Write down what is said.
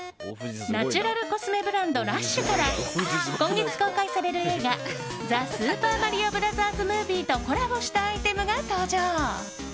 ナチュラルコスメブランドＬＵＳＨから今月公開される映画「ザ・スーパーマリオブラザーズ・ムービー」とコラボしたアイテムが登場。